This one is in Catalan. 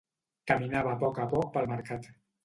Caminava a poc a poc pel mercat.